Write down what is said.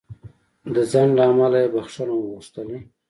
د ځنډ له امله یې بخښنه وغوښتله.